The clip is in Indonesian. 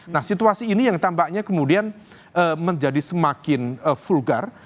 nah situasi ini yang tampaknya kemudian menjadi semakin vulgar